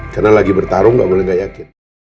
karena lagi bertarung gak boleh gak yakin